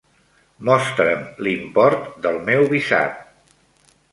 Mostra'm l'import del meu visat.